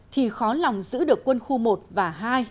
thì khó lòng giữ được quân khu một và hai